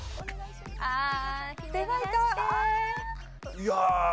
いや。